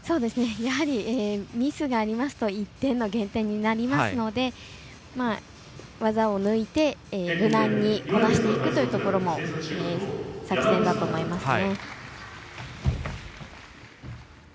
やはり、ミスがありますと１点の減点になりますので技を抜いて無難にこなしていくというところも作戦だと思いますね。